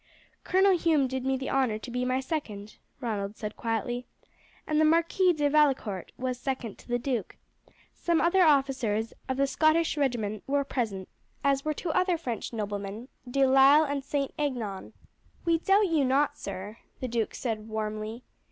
"Colonel Hume did me the honour to be my second," Ronald said quietly, "and the Marquis de Vallecourt was second to the duke; some other officers of the Scottish regiment were present, as were two other French noblemen, De Lisle and St. Aignan." "We doubt you not, sir," the duke said warmly.